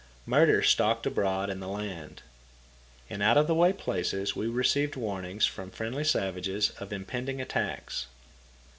Murder stalked abroad in the land. In out of the way places we received warnings from friendly savages of impending attacks.